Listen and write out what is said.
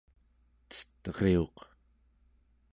cet'riuq